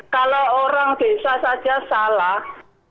kalau orang desa saja salah